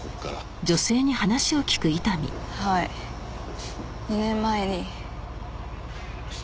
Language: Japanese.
はい２年前に。